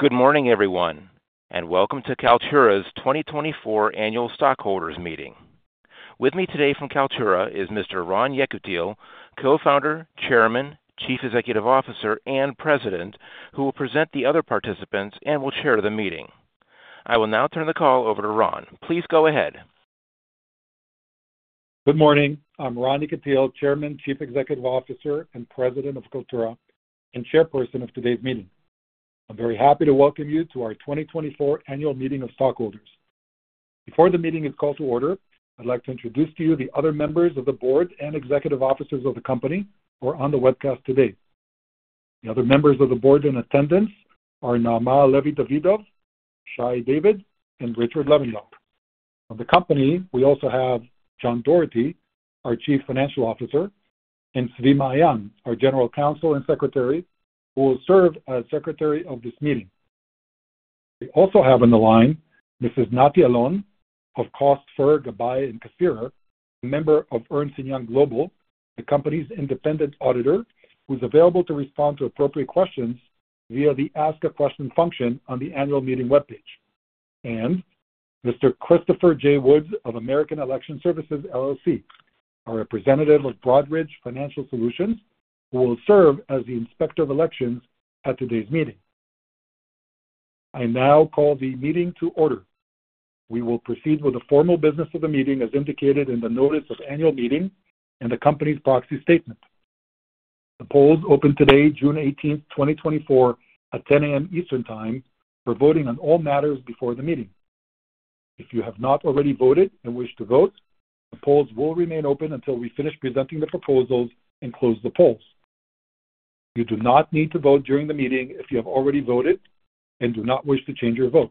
Good morning, everyone, and welcome to Kaltura's 2024 Annual Stockholders Meeting. With me today from Kaltura is Mr. Ron Yekutiel, co-founder, chairman, chief executive officer, and president, who will present the other participants and will chair the meeting. I will now turn the call over to Ron. Please go ahead. Good morning. I'm Ron Yekutiel, Chairman, Chief Executive Officer, and President of Kaltura, and chairperson of today's meeting. I'm very happy to welcome you to our 2024 Annual Meeting of Stockholders. Before the meeting is called to order, I'd like to introduce to you the other members of the board and executive officers of the company who are on the webcast today. The other members of the board in attendance are Naama Halevi Davidov, Shay David, and Richard Levandov. From the company, we also have John Doherty, our Chief Financial Officer, and Zvi Maayan, our General Counsel and Secretary, who will serve as secretary of this meeting. We also have on the line Mrs. Nati Alon of Kost Forer Gabbay & Kasierer, a member of Ernst & Young Global, the company's independent auditor, who's available to respond to appropriate questions via the Ask a Question function on the annual meeting webpage. Mr. Christopher J. Woods of American Election Services, LLC, our representative of Broadridge Financial Solutions, who will serve as the inspector of elections at today's meeting. I now call the meeting to order. We will proceed with the formal business of the meeting as indicated in the notice of annual meeting and the company's proxy statement. The polls open today, June 18, 2024, at 10:00 A.M. Eastern Time for voting on all matters before the meeting. If you have not already voted and wish to vote, the polls will remain open until we finish presenting the proposals and close the polls. You do not need to vote during the meeting if you have already voted and do not wish to change your vote.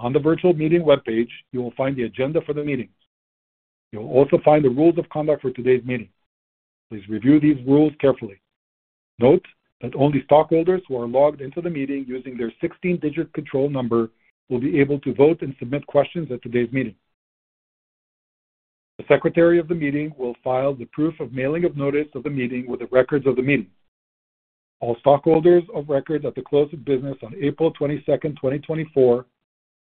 On the virtual meeting webpage, you will find the agenda for the meeting. You will also find the rules of conduct for today's meeting. Please review these rules carefully. Note that only stockholders who are logged into the meeting using their 16-digit control number will be able to vote and submit questions at today's meeting. The secretary of the meeting will file the proof of mailing of notice of the meeting with the records of the meeting. All stockholders of record at the close of business on April 22, 2024,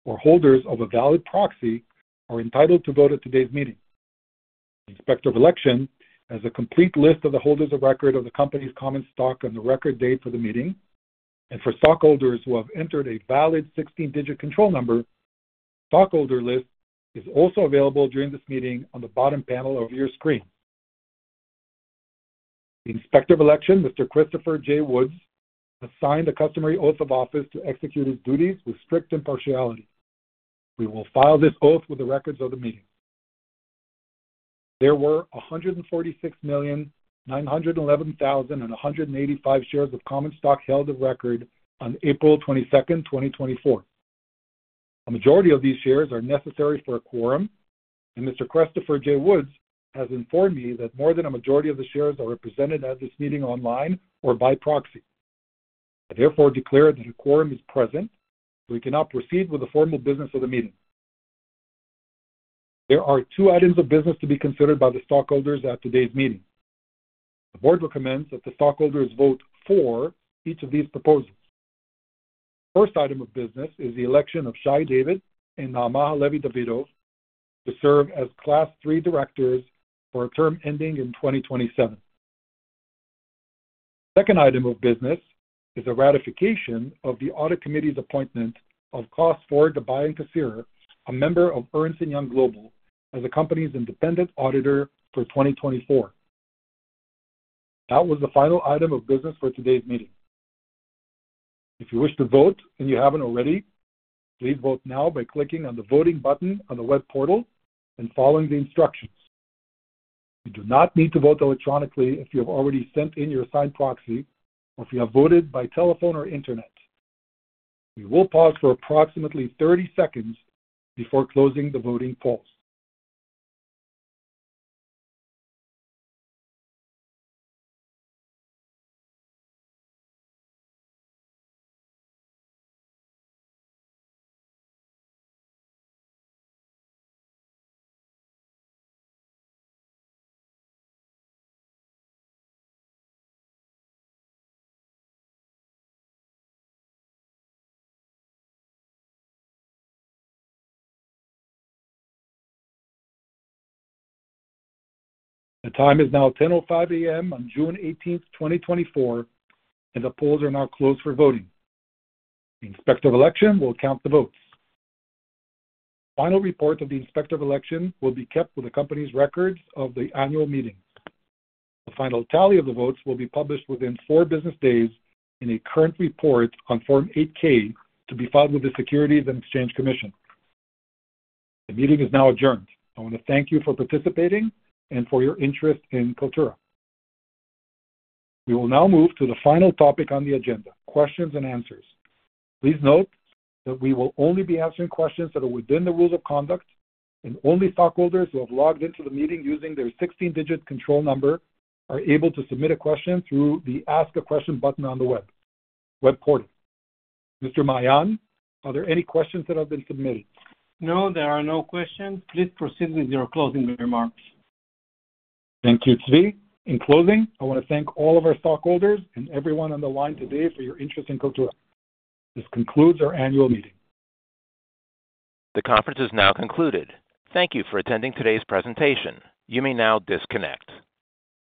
or holders of a valid proxy, are entitled to vote at today's meeting. The inspector of election has a complete list of the holders of record of the company's common stock on the record date for the meeting, and for stockholders who have entered a valid 16-digit control number, the stockholder list is also available during this meeting on the bottom panel of your screen. The inspector of election, Mr. Christopher J. Woods, has signed a customary oath of office to execute his duties with strict impartiality. We will file this oath with the records of the meeting. There were 146,911,185 shares of common stock held of record on April 22, 2024. A majority of these shares are necessary for a quorum, and Mr. Christopher J. Woods has informed me that more than a majority of the shares are represented at this meeting online or by proxy. I therefore declare that a quorum is present, so we can now proceed with the formal business of the meeting. There are two items of business to be considered by the stockholders at today's meeting. The board recommends that the stockholders vote for each of these proposals. The first item of business is the election of Shay David and Naama Halevi Davidov to serve as Class III directors for a term ending in 2027. The second item of business is a ratification of the audit committee's appointment of Kost Forer Gabbay & Kasierer, a member of Ernst & Young Global, as the company's independent auditor for 2024. That was the final item of business for today's meeting. If you wish to vote and you haven't already, please vote now by clicking on the voting button on the web portal and following the instructions. You do not need to vote electronically if you have already sent in your assigned proxy or if you have voted by telephone or internet. We will pause for approximately 30 seconds before closing the voting polls. The time is now 10:05 A.M. on June 18, 2024, and the polls are now closed for voting. The inspector of election will count the votes. The final report of the inspector of election will be kept with the company's records of the annual meeting. The final tally of the votes will be published within 4 business days in a current report on Form 8-K to be filed with the Securities and Exchange Commission. The meeting is now adjourned. I want to thank you for participating and for your interest in Kaltura. We will now move to the final topic on the agenda, questions and answers. Please note that we will only be answering questions that are within the rules of conduct, and only stockholders who have logged into the meeting using their 16-digit control number are able to submit a question through the Ask a Question button on the web portal. Mr. Maayan, are there any questions that have been submitted? No, there are no questions. Please proceed with your closing remarks. Thank you, Zvi. In closing, I want to thank all of our stockholders and everyone on the line today for your interest in Kaltura. This concludes our annual meeting. The conference is now concluded. Thank you for attending today's presentation. You may now disconnect.